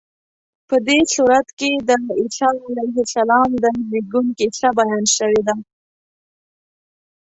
په دې سورت کې د عیسی علیه السلام د زېږون کیسه بیان شوې ده.